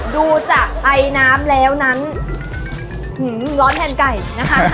ดูจากไอน้ำแล้วนั้นร้อนแทนไก่นะคะ